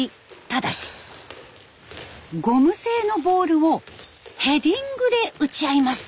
ただしゴム製のボールをヘディングで打ち合います。